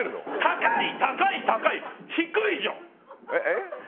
「高い高い高い」「低い」じゃん！えっ？